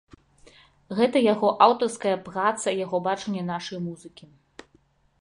Гэта яго аўтарская праца, яго бачанне нашай музыкі.